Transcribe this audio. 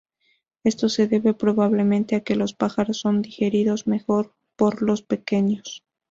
Esto se debe probablemente a que los pájaros son digeridos mejor por los pequeños.